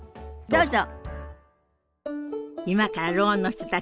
どうぞ。